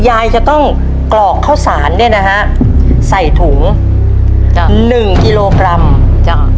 ยายจะต้องกรอกข้าวสารเนี้ยนะฮะใส่ถุงจ้ะหนึ่งกิโลกรัมจ้ะ